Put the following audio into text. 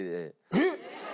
えっ！？